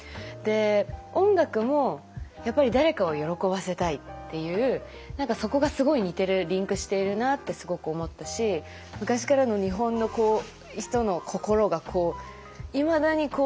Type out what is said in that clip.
音楽もやっぱり誰かを喜ばせたいっていう何かそこがすごい似てるリンクしているなってすごく思ったし昔からの日本の人の心がいまだに受け継がれてるというか。